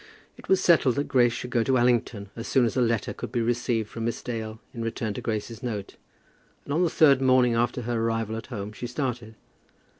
It was settled that Grace should go to Allington as soon as a letter could be received from Miss Dale in return to Grace's note, and on the third morning after her arrival at home she started.